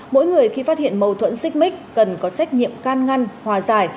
mỗi người khi phát hiện mâu thuẫn xích mích cần có trách nhiệm can ngăn hòa giải